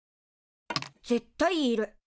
絶対いる。